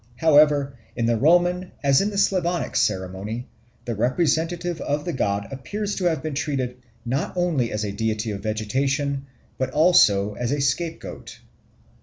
However, in the Roman, as in the Slavonic, ceremony, the representative of the god appears to have been treated not only as a deity of vegetation but also as a scapegoat.